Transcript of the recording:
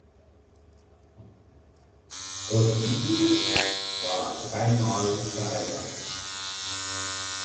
Oswiu war dreimal verheiratet.